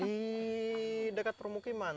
di dekat permukiman